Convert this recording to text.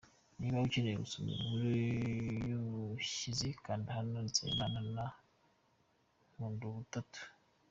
Niba ukeneye gusoma inkuru y’ ubushize kanda hano Nsabimana na Nkundubutatu.